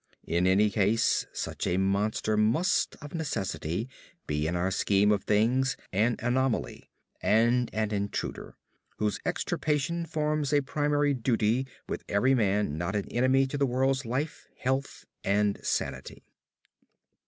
In any case such a monster must of necessity be in our scheme of things an anomaly and an intruder, whose extirpation forms a primary duty with every man not an enemy to the world's life, health, and sanity.